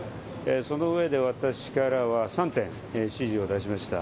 そのうえで私からは３点指示を出しました。